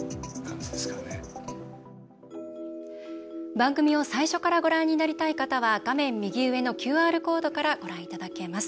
番組を最初からご覧になりたい方は画面右上のＱＲコードからご覧いただけます。